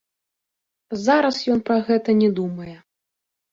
Зараз ён пра гэта не думае.